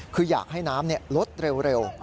คืออยากให้น้ำลดเร็ว